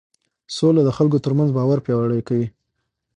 سوله د خلکو ترمنځ باور پیاوړی کوي